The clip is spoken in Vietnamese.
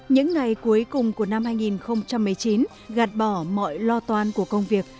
những ngày cuối cùng của năm hai nghìn một mươi chín gạt bỏ mọi lo toan của công việc